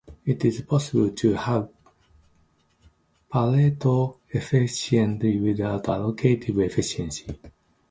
It is possible to have Pareto efficiency without allocative efficiency.